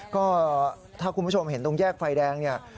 ก็ถ้าคุณผู้ชมเห็นตรงแยกไฟแดงเนี่ย